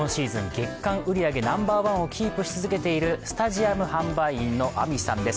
月間売り上げナンバーワンをキープし続けているスタジアム販売員のあみさんです。